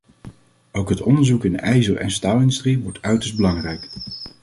Ook het onderzoek in de ijzer- en staalindustrie wordt uiterst belangrijk.